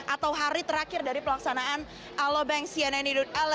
atau hari terakhir dari pelaksanaan aloe bank festival dua ribu sembilan belas